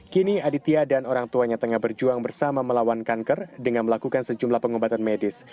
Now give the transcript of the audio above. kini aditya dan orang tuanya tengah berjuang bersama melawan kanker dengan melakukan sejumlah pengobatan medis